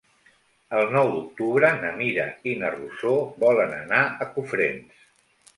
El nou d'octubre na Mira i na Rosó volen anar a Cofrents.